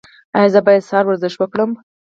ایا زه باید سهار ورزش وکړم؟